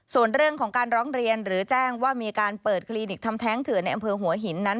ส่วนเรื่องของการร้องเรียนหรือแจ้งว่ามีการเปิดคลินิกทำแท้งเถื่อนในอำเภอหัวหินนั้น